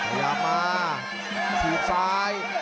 พยายามมาทีดซ้าย